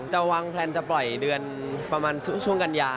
จะวางแพลนจะปล่อยเดือนประมาณช่วงกันยา